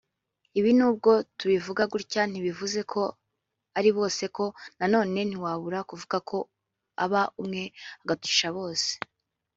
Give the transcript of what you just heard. Ibi nubwo tubivuga gutya ntibivuze ko ari bose ariko nanone ntawabura kuvuga ko aba umwe agatukisha bose